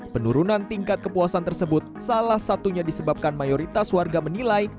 penurunan tingkat kepuasan tersebut salah satunya disebabkan mayoritas warga menilai